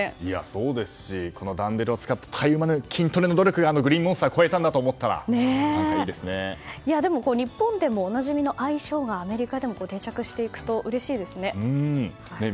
そうですし、ダンベルを使ったたゆまぬ筋トレの努力があのグリーンモンスターを越えたんだと思ったらでも、日本でもおなじみの愛称がアメリカでも定着していくとうれしいですね。